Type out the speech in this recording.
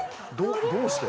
どうして？